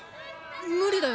無理だよ